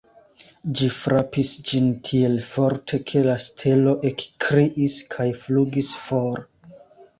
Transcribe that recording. Ĝi frapis ĝin tiel forte, ke la stelo ekkriis kaj flugis for.